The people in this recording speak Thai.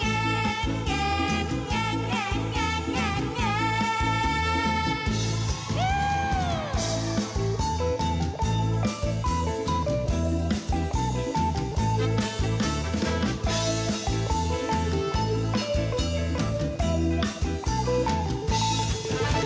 โหการให้ดันดาลสลองหมู่บ้านคนดีโชคดี